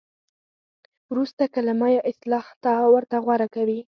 ورسته کلمه یا اصطلاح ورته غوره کوي.